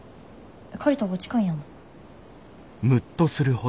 借りたほうが近いんやもん。